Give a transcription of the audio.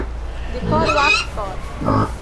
د کار وخت کار.